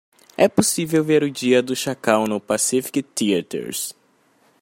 É possível ver O Dia do Chacal no Pacific Theatres